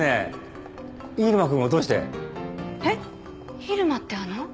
入間ってあの？